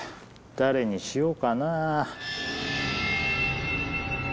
誰にしようかな？